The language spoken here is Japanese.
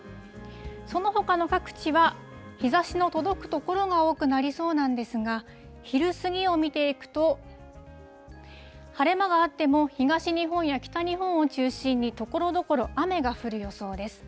そのほかの各地は日ざしの届く所が多くなりそうなんですが、昼過ぎを見ていくと、晴れ間があっても、東日本や北日本を中心にところどころ雨が降る予想です。